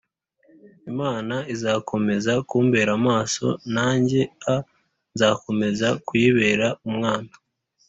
imana izakomeza kumbera maso nanjyea nzakomeza kuyibera umwana